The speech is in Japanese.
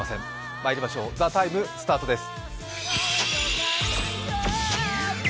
まいりましょう「ＴＨＥＴＩＭＥ，」スタートです。